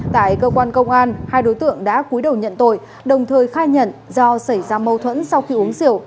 tại cơ quan công an hai đối tượng đã cuối đầu nhận tội đồng thời khai nhận do xảy ra mâu thuẫn sau khi uống rượu